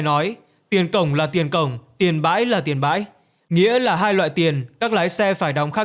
nói tiền cổng là tiền cổng tiền bãi là tiền bãi nghĩa là hai loại tiền các lái xe phải đóng khác